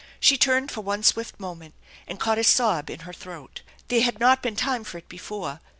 She turned for one swift moment, and caught a sob in her throat. There had not been time for it before.